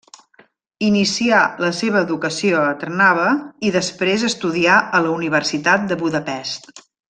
Inicià la seva educació a Trnava i després estudià a la Universitat de Budapest.